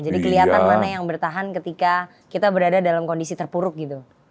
jadi kelihatan mana yang bertahan ketika kita berada dalam kondisi terpuruk gitu